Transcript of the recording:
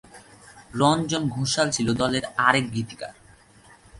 রঞ্জন ঘোষাল ছিলেন দলের আরেক গীতিকার।